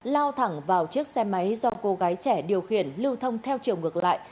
lao thẳng vào chiếc xe máy do cô gái trẻ điều khiển lưu thông theo chiều ngược lại